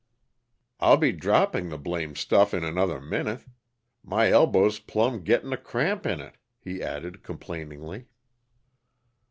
"I'll be dropping the blamed stuff in another minute. My elbow's plumb getting a cramp in it," he added complainingly.